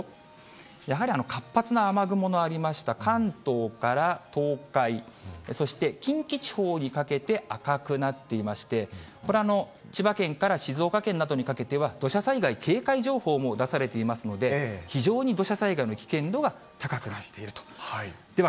やはり活発な雨雲のありました、関東から東海、そして近畿地方にかけて赤くなっていまして、これ、千葉県から静岡県などにかけては、土砂災害警戒情報も出されていますので、非常に土砂災害の危険度が高くなっていると。